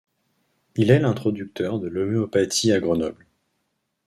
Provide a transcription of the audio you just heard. Il est l'introducteur de l'homéopathie à Grenoble.